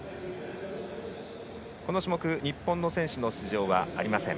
この種目日本の選手の出場はありません。